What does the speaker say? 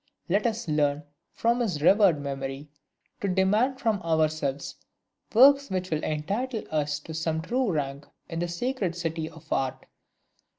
Let us learn, from his revered memory, to demand from ourselves works which will entitle us to some true rank in the sacred city of art!